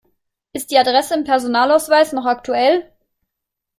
Ist die Adresse im Personalausweis noch aktuell?